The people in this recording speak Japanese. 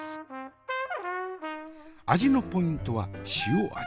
味のポイントは塩味。